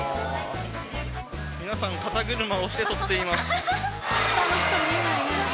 皆さん、肩車をして撮っています。